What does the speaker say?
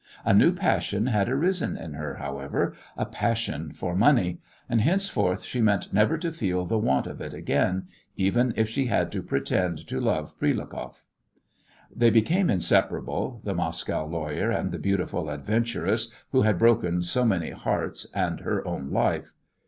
A new passion had arisen in her, however, a passion for money, and henceforth she meant never to feel the want of it again, even if she had to pretend to love Prilukoff. They became inseparable, the Moscow lawyer and the beautiful adventuress who had broken so many hearts and her own life.